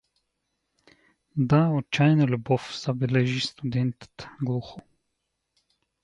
— Да, отчаяна любов — забележи студентът глухо.